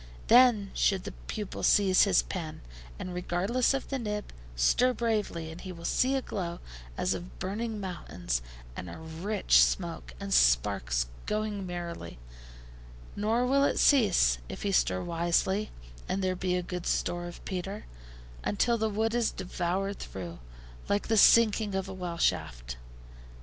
Then should the pupil seize his pen, and, regardless of the nib, stir bravely, and he will see a glow as of burning mountains, and a rich smoke, and sparks going merrily; nor will it cease, if he stir wisely, and there be a good store of petre, until the wood is devoured through, like the sinking of a well shaft.